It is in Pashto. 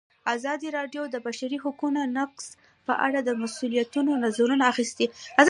ازادي راډیو د د بشري حقونو نقض په اړه د مسؤلینو نظرونه اخیستي.